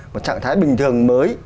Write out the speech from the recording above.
một trạng thái bình thường mới